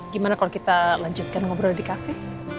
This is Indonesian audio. gimana kalau kita lanjutkan ngobrol di cafe